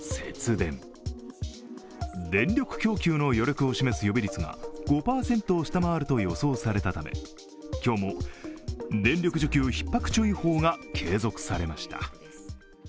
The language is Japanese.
電力供給の余力を示す予備率が５％を下回ると予想されたため、今日も電力需給ひっ迫注意報が継続されました。